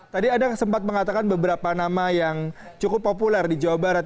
tadi anda sempat mengatakan beberapa nama yang cukup populer di jawa barat